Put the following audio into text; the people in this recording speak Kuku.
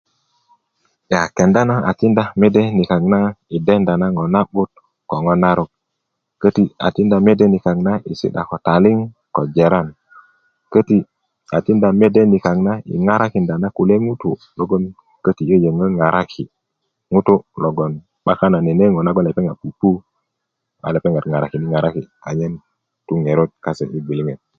a kenda na atikinda mede nikaŋ na i denda na ŋo na'but ko ŋo narök köti a tinda mede nikaŋ na si'da ko ta'liŋ ko jiran köti a tikinda mede nikaŋ na i ŋarakinda na kulye ŋutu logon yöyöŋö ŋaraki ŋutu logon 'bakan nene ŋo' nagon lepeŋat pupu a lepeŋat ŋarakini' ŋaraki' anyen tu ŋeröt kase i gwiliŋet